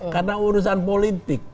karena urusan politik